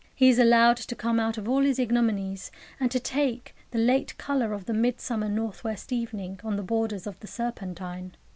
He is allowed to come out of all his ignominies, and to take the late colour of the midsummer north west evening, on the borders of the Serpentine.